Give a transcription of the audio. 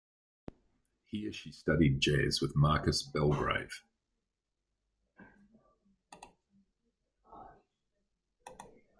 Here she studied jazz with Marcus Belgrave.